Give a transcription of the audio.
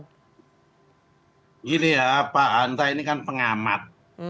begini ya pak hanta ini kan pengamat